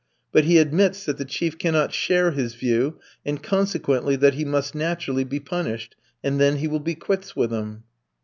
But he admits that the chief cannot share his view, and consequently, that he must naturally be punished, and then he will be quits with him.